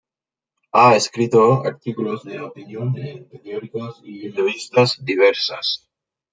Ha escrito artículos de opinión en periódicos y revistas diversas.